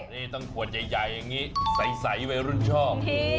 นี่ต้องขวดใหญ่อย่างนี้ใสวัยรุ่นชอบ